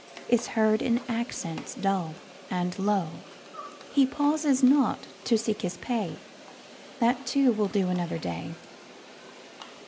Is heard in accents dull and low. He pauses not to seek his pay,—That too will do another day.